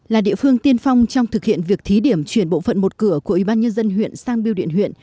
là địa phương tiên phong trong thực hiện việc thí điểm chuyển bộ phận một cửa của ubnd huyện sang biêu điện huyện